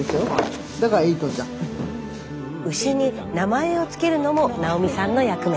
牛に名前を付けるのも奈緒美さんの役目。